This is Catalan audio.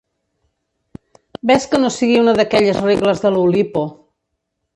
Ves que no sigui una d'aquelles regles de l'Oulipo.